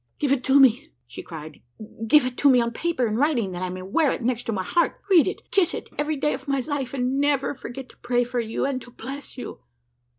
"Give it to me!" she cried; "give it to me on paper, in writing, that I may wear it next my heart, read and kiss it every day of my life, and never forget to pray for you, and to bless you!"